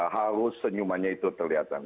harus senyumannya itu terlihat